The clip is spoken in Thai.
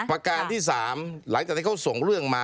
ประการที่๓หลังจากที่เขาส่งเรื่องมา